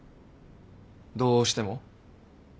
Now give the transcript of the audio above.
どうしても？